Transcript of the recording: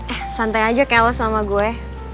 eh santai aja kayak lo sama gue